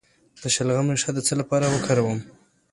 د شلغم ریښه د څه لپاره وکاروم؟